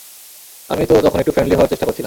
আমি তো তখন একটু ফ্রেন্ডলি হওয়ার চেষ্টা করছিলাম।